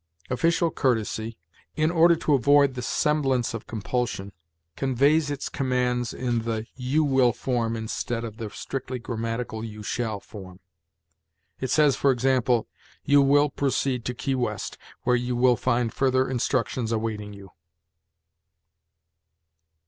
Official courtesy, in order to avoid the semblance of compulsion, conveys its commands in the you will form instead of the strictly grammatical you shall form. It says, for example, "You will proceed to Key West, where you will find further instructions awaiting you."